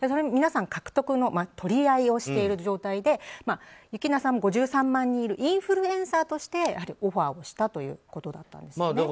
皆さん、獲得の取り合いをしている状態で優樹菜さんは５３万人いるインフルエンサーとしてオファーをしたということだったんですね。